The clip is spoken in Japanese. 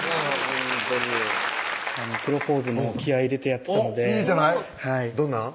ほんとにプロポーズも気合い入れてやってたのでいいじゃないどんなん？